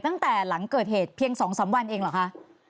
ตั้งแต่หลังเกิดเหตุเพียง๒๓วันเองเหรอคะ